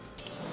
bukan urusan lo